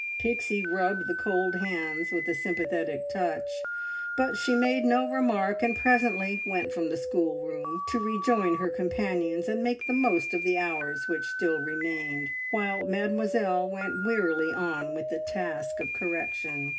Pixie rubbed the cold hands with a sympathetic touch, but she made no remark, and presently went from the schoolroom to rejoin her companions and make the most of the hours which still remained, while Mademoiselle went wearily on with the task of correction.